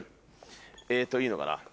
えっといいのかな？